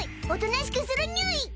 おとなしくするにゅい！